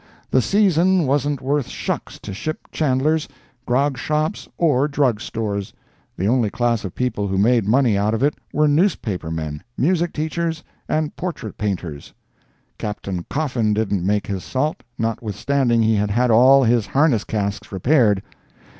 The "season" wasn't worth shucks to ship chandlers, grog shops or drug stores. The only class of people who made money out of it were newspaper men, music teachers and portrait painters. Capt. Coffin didn't make his salt, notwithstanding he had had all his harness casks repaired.